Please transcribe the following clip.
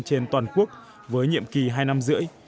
trên toàn quốc với nhiệm kỳ hai năm rưỡi